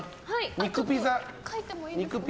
肉ピザ。